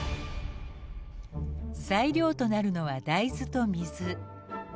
材料となるのは大豆と水。